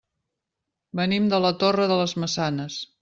Venim de la Torre de les Maçanes.